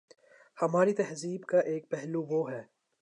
ہماری تہذیب کا ایک پہلو وہ ہے۔